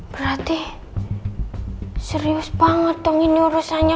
berarti serius banget dong ini urusannya